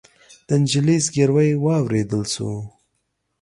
د نجلۍ زګيروی واورېدل شو.